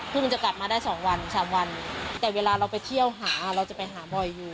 จะกลับมาได้สองวันสามวันแต่เวลาเราไปเที่ยวหาเราจะไปหาบ่อยอยู่